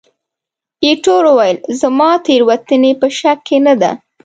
ایټور وویل، زما تورني په شک کې نه ده.